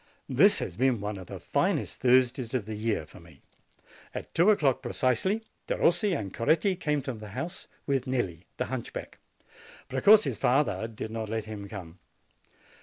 This has been one of the finest Thursdays of the year for me. At two o'clock, percisely, Derossi and Coretti came to the house, with Nelli, the hunchback. Precossi's father did not let him come.